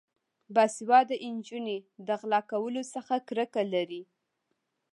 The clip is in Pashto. باسواده نجونې د غلا کولو څخه کرکه لري.